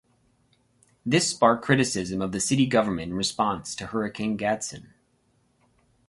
This sparked criticism of the city government in response to Hurricane Gaston.